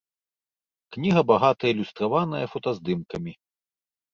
Кніга багата ілюстраваная фотаздымкамі.